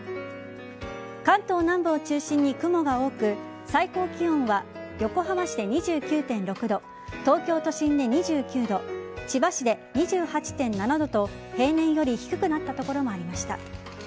関東南部を中心に雲が多く最高気温は、横浜市で２９．６度東京都心で２９度千葉市で２８．７度と平年より低くなった所もありました。